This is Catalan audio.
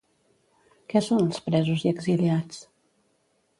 Què són els presos i exiliats?